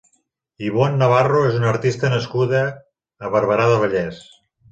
Ivonne Navarro és una artista nascuda a Barberà del Vallès.